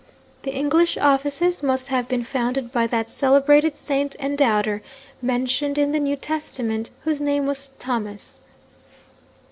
The English offices must have been founded by that celebrated saint and doubter, mentioned in the New Testament, whose name was Thomas!"